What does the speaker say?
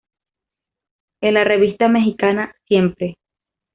En la revista mexicana "Siempre!